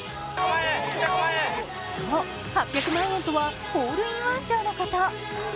そう、８００万円とはホールインワン賞のこと。